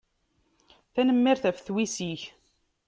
Tanemmirt ɣef twissi-k.